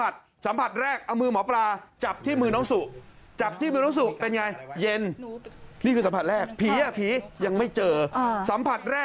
สัมผัสสองสัมผัส